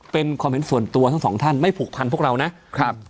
เป็นความเห็นส่วนตัวทั้งสองท่านไม่ผูกพันพวกเรานะครับ